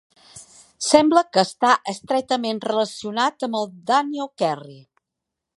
Sembla que està estretament relacionat amb el "Danio kerri".